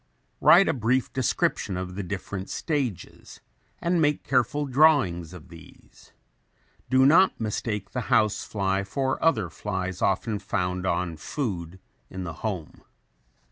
Write a brief description of the different stages and make careful drawings of these. Do not mistake the house fly for other flies often found on food in the home.